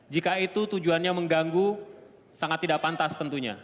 jika itu tujuannya mengganggu sangat tidak pantas tentunya